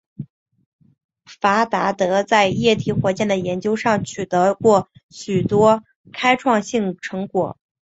戈达德在液体火箭的研究上取得过很多开创性成果。